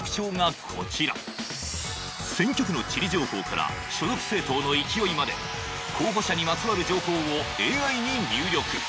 選挙区の地理情報から所属政党の勢いまで候補者にまつわる情報をＡＩに入力。